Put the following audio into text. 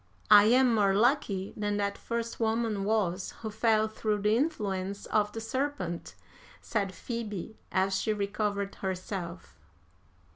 "'I am more lucky than that first woman was who fell through the influence of the serpent,' said Phoebe, as she recovered herself.